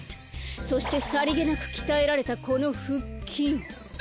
そしてさりげなくきたえられたこのふっきん。